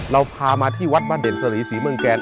เราพามาที่วัดบ้านเด่นสรีศรีเมืองแกน